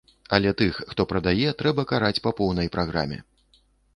Але тых, хто прадае, трэба караць па поўнай праграме.